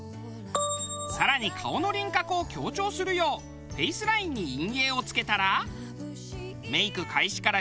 更に顔の輪郭を強調するようフェイスラインに陰影をつけたら。